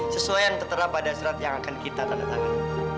sesuai yang tertera pada surat yang akan kita tanda tangan